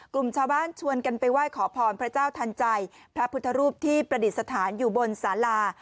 กลุ่มชาวบ้านชวนกันไปไหว้ขอพรพระเจ้าทันใจพระพุทธรูปที่ประดิษฐานอยู่บนสารา